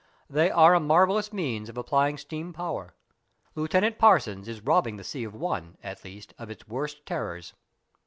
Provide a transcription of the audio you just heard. "They are a marvellous means of applying steam power. Lieutenant Parsons is robbing the sea of one, at least, of its worst terrors."